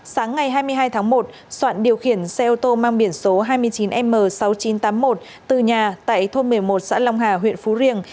sáng ngày hai mươi hai tháng một soạn điều khiển xe ô tô mang biển số hai mươi chín m sáu nghìn chín trăm tám mươi một từ nhà tại thôn một mươi một xã long hà huyện phú riềng